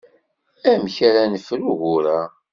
Amek ara nefru ugur-a?